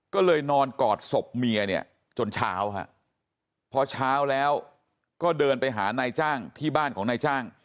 ก็เลยนอนกอดศพเมียเนี่ยจนเช้าพอเช้าแล้วก็เดินไปหานายจ้างที่บ้านของนายจ้าง